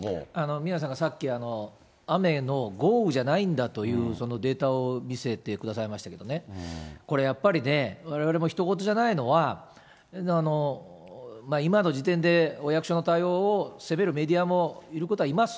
宮根さんがさっき、雨の豪雨じゃないんだというデータを見せてくださいましたけどもね、これやっぱりね、われわれもひと事じゃないのは、今の時点でお役所の対応を責めるメディアもいることはいます。